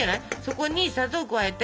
そこに砂糖を加えて。